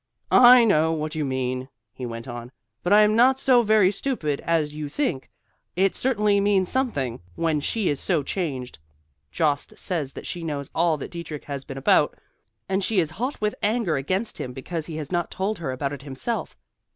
"I know what you mean," he went on, "but I am not so very stupid as you think. It certainly means something, when she is so changed. Jost says that she knows all that Dietrich has been about, and she is hot with anger against him because he has not told her about it himself.